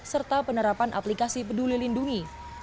serta penerapan aplikasi peduli lindungi